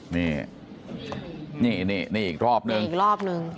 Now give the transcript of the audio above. นี่อีกรอบนึง